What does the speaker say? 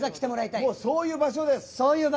そういう場所です。